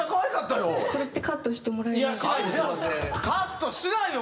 カットしないよ